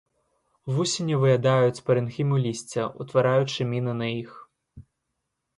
Вусені выядаюць парэнхіму лісця, утвараючы міны на іх.